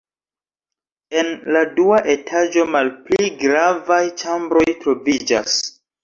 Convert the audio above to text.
En la dua etaĝo malpli gravaj ĉambroj troviĝas.